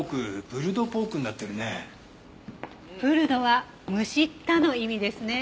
プルドは「むしった」の意味ですね。